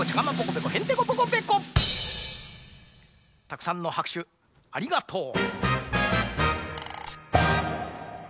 たくさんのはくしゅありがとう。